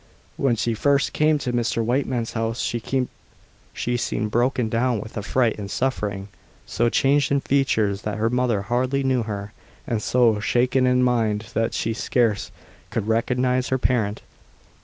When she first came to Mr. Wightman's house she seemed broken down with affright and suffering, so changed in features that her mother hardly knew her, and so shaken in mind that she scarce could recognise her parent.